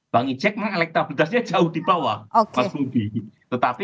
bang icek mah elektabilitasnya jauh di bawah mas bobby